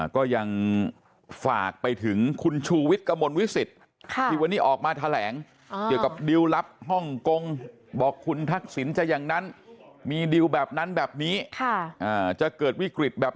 ก็ว่าเป็นเตรียมทหารด้วยกันนะครับ